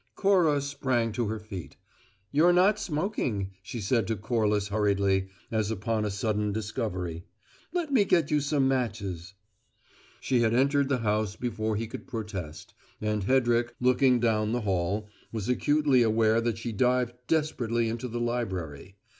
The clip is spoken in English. Cora sprang to her feet. "You're not smoking," she said to Corliss hurriedly, as upon a sudden discovery. "Let me get you some matches." She had entered the house before he could protest, and Hedrick, looking down the hall, was acutely aware that she dived desperately into the library.